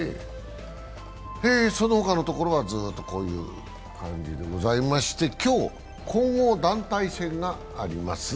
そのほかのところはずっとこういうことでございまして今日、混合団体戦があります。